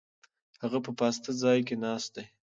هغه په پاسته ځای کې ناست دی.